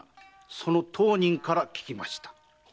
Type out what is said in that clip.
その当人から聞きました。